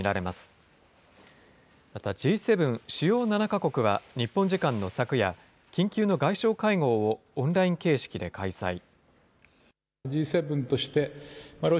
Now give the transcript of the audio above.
またＧ７・主要７か国は日本時間の昨夜、緊急の外相会合をオンライン形式で開催。